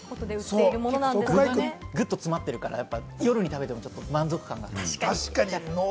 ぐっと詰まってるから、夜に食べても満足感がね。